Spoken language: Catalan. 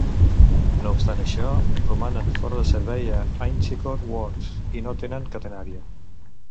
No obstant això, romanen fora de servei a Inchicore Works, i no tenen catenària.